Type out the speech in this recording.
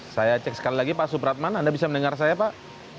saya cek sekali lagi pak supratman anda bisa mendengar saya pak